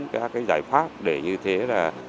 các giải pháp để như thế là